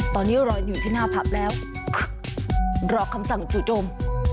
ตอนนี้รออยู่ที่หน้าผับแล้วรอคำสั่งจู่โจม